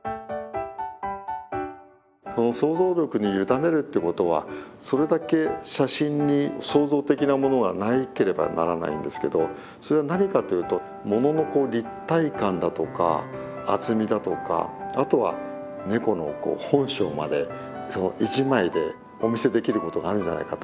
想像力に委ねるってことはそれだけ写真に創造的なものがなければならないんですけどそれは何かというとものの立体感だとか厚みだとかあとはネコの本性まで１枚でお見せできることがあるんじゃないかと思うんです。